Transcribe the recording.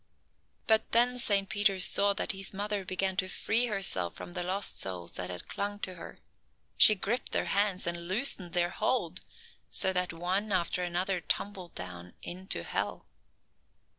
But then Saint Peter saw that his mother began to free herself from the lost souls that had clung to her. She gripped their hands and loosened their hold, so that one after another tumbled down into hell.